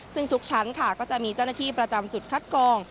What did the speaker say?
ซึ่งทุกชั้นค่ะก็จะมีเจ้าหน้าที่ประจำจุดคัดกอง